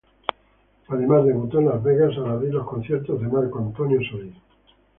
Además debutó en Las Vegas al abrir los conciertos de Marco Antonio Solís.